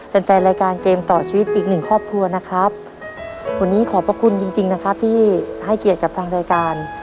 แฟนแฟนรายการเกมต่อชีวิตอีกหนึ่งครอบครัวนะครับวันนี้ขอบพระคุณจริงจริงนะครับที่ให้เกียรติกับทางรายการ